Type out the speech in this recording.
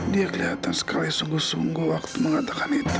dia kelihatan sekali sungguh sungguh waktu mengatakan itu